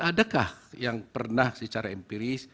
adakah yang pernah secara empiris